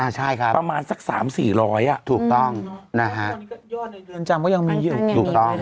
ใช่ครับถูกต้องนะฮะประมาณสัก๓๔๐๐อ่ะยอดในเดือนจำก็ยังมีอยู่